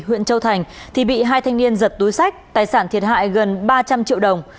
huyện châu thành thì bị hai thanh niên giật túi sách tài sản thiệt hại gần ba trăm linh triệu đồng